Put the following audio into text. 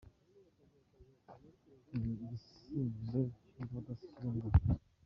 Ni igisingizo cy’umudasumbwa.